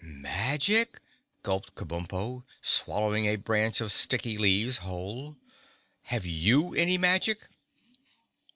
"Magic?" gulped Kabumpo, swallowing a branch of sticky leaves whole. "Have you any magic?"